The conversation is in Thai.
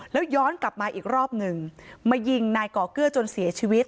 แล้วย้อนกลับมาอีกรอบหนึ่งมายิงนายก่อเกื้อจนเสียชีวิต